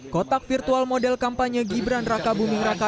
kotak virtual model kampanye gibran raka buming raka